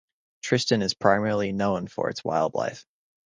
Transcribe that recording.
Tristan is primarily known for its wildlife.